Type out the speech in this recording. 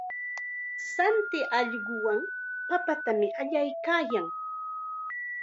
Shanti ayllunwan papatam allaykaayan.